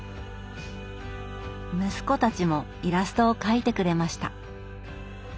息子たちもイラストを描いてくれました。